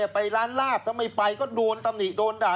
ไปร้านลาบถ้าไม่ไปก็โดนตำหนิโดนด่า